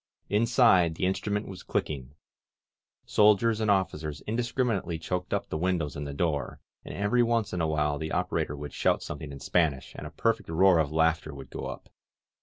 Inside, the instrument was clicking. Soldiers and officers in discriminately choked up the windows and the door, and every once in a while the operator would shout something in Spanish and a perfect roar of laughter would go up.